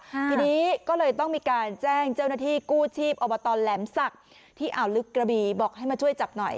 ทีนี้ก็เลยต้องมีการแจ้งเจ้าหน้าที่กู้ชีพอบตแหลมศักดิ์ที่อ่าวลึกกระบีบอกให้มาช่วยจับหน่อย